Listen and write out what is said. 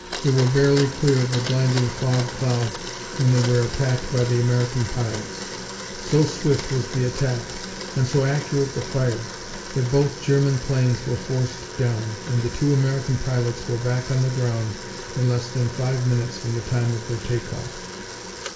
They were barely clear of the blinding fog cloud when they were attacked by the American pilots. So swift was the attack, and so accurate the fire, that both German planes were forced down and the two American pilots were back on the ground in less than five minutes from the time of their take off.